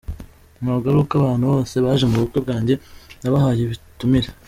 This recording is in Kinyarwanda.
Ntabwo ari uko abantu bose baje mu bukwe bwanjye nabahaye ubutumire.